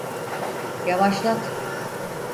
Yavaşlat.